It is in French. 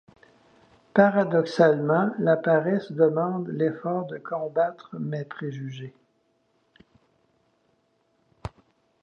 Paradoxalement, la paresse demande l’effort de combattre mes préjugés.